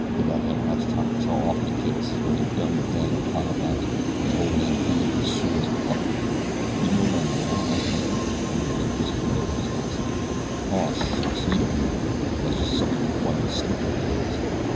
The damned rats are tryin' to chaw off me kicks an' when they're done wit them they'll climb up after me an' old man Villa'll be sore as a pup." "You know my maw?" asked Eddie, and there was a wistful note in his voice. "Aw shucks! you don't know her that's jest some o' your funny, slicker business.